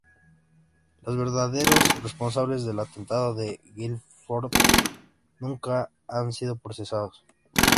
Los verdaderos responsables del atentado de Guildford nunca han sido procesados.